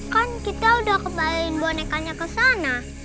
kan kita udah kembaliin bonekanya kesana